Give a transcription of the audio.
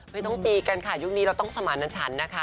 ไม่ต้องปีกันค่ะยุคนี้เราต้องสมาร์ทนั้นฉันนะคะ